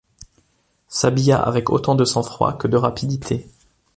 s’habilla avec autant de sang-froid que de rapidité.